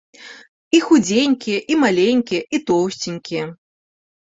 І худзенькія, і маленькія, і тоўсценькія.